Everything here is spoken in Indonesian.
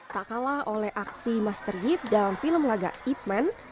tak kalah oleh aksi master yip dalam film lagak ip man